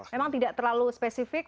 memang tidak terlalu spesifik